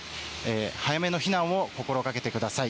早めの避難を心がけてください。